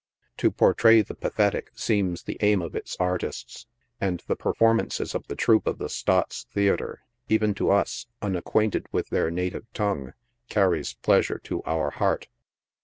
"To portray the pathetic seems the aim of its artists, and the perfor mances of the troupe of the " Staats ;' theatre, even to us, unac quainted with their native tongue, carried pleasure to our heart.